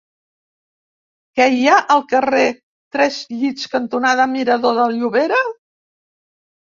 Què hi ha al carrer Tres Llits cantonada Mirador de Llobera?